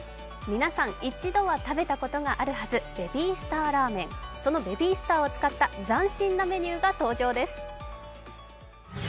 皆さん、一度は食べたことがあるはず、ベビースターラーメンそのベビースターを使った斬新なメニューが登場です。